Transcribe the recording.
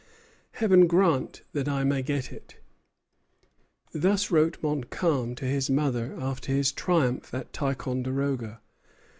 Heaven grant that I may get it!" Thus wrote Montcalm to his mother after his triumph at Ticonderoga.